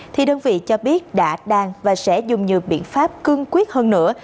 thì đơn vị cho biết đã đang và sẽ dùng nhiều biện pháp cương quyết hơn nữa